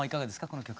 この曲。